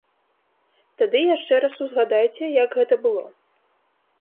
Тады яшчэ раз узгадайце, як гэта было.